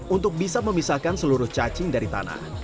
untuk bisa memisahkan seluruh cacing dari tanah